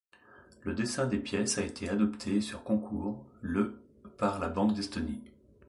Le dessin des pièces a été adopté sur concours, le par la Banque d'Estonie.